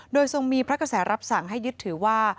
โดยทรงมีพระกระแสรับสั่งให้ยึดถือว่า